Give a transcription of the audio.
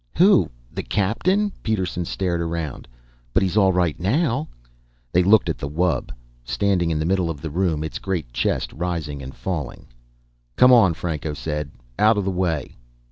"Who? The Captain?" Peterson stared around. "But he's all right now." They looked at the wub, standing in the middle of the room, its great chest rising and falling. "Come on," Franco said. "Out of the way."